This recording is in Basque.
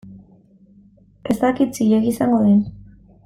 Ez dakit zilegi izango den.